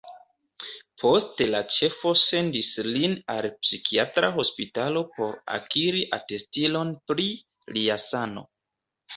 Poste la ĉefo sendis lin al psikiatra hospitalo por akiri atestilon pri lia sano.